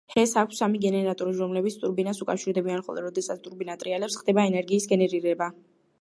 ჰესს აქვს სამი გენერატორი, რომლებიც ტურბინას უკავშირდებიან, ხოლო როდესაც ტურბინა ტრიალებს, ხდება ენერგიის გენერირება.